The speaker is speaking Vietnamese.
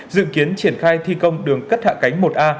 dự kiến triển khai thi công đường cất hạ cánh một a